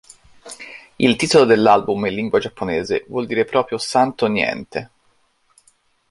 Il titolo dell'album in lingua giapponese vuol dire proprio Santo Niente.